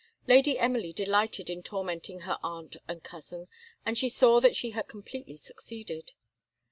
Lady Emily delighted in tormenting her aunt and cousin, and she saw that she had completely succeeded.